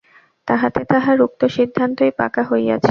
তাহাতে তাঁহার উক্ত সিদ্ধান্তই পাকা হইয়াছে।